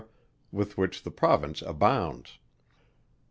with which the Province abounds.